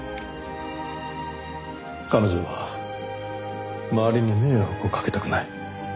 彼女は周りに迷惑をかけたくない。